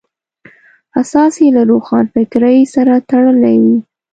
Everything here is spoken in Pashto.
اساس یې له روښانفکرۍ سره تړلی وي.